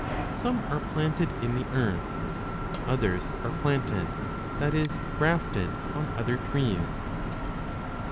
Some are planted in the earth, others are planted, that is, grafted, on other trees.